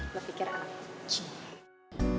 lebih kira anakmu